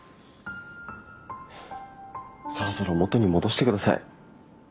そろそろ元に戻してください。